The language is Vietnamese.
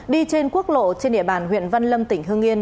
đi trên quốc lộ trên địa bàn huyện văn lâm tỉnh hương yên